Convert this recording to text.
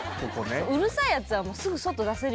そううるさいやつはすぐ外出せるように。